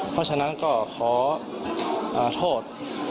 เพราะฉะนั้นก็ขอโทษ